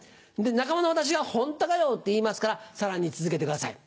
仲間の私が「ホントかよ？」って言いますからさらに続けてください。